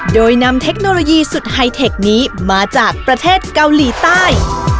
โดยนำเทคโนโลยีสุดไฮเทคนี้มาจากประเทศเกาหลีใต้